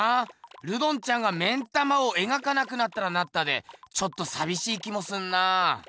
ルドンちゃんが目ん玉を描かなくなったらなったでちょっとさびしい気もするなあ。